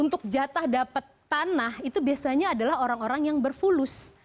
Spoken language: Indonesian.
untuk jatah dapat tanah itu biasanya adalah orang orang yang berfulus